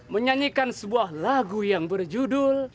menyanyikan sebuah lagu yang berjudul